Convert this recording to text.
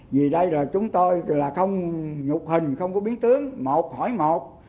vì đây là chúng tôi là không ngục hình không có biến tướng một khỏi một